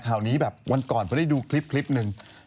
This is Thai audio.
ข่าวนี้แบบวันก่อนพอได้ดูคลิปหนึ่ง